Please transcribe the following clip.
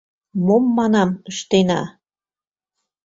Мом, манам, ыштена?